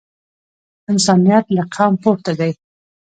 انسانیت له قوم پورته دی.